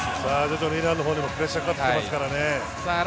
イランの方にもプレッシャーがかかっていますからね。